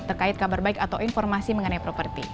terkait kabar baik atau informasi mengenai properti